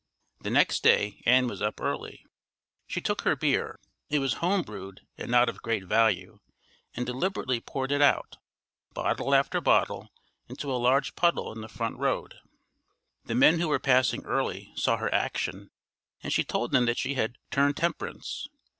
The next day Ann was up early. She took her beer (it was home brewed and not of great value) and deliberately poured it out, bottle after bottle, into a large puddle in the front road. The men who were passing early saw her action, and she told them that she had "turned temp'rance."